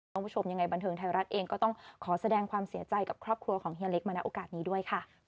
ก็คือการท่านคัดเลือกเพลงนี้มาร้องส่งเฮียเล็กเป็นครั้งสุดท้าย